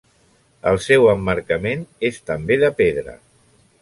El seu emmarcament és també de pedra.